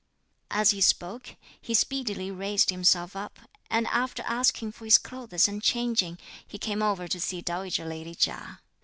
As he spoke, he speedily raised himself up, and, after asking for his clothes and changing, he came over to see dowager lady Chia.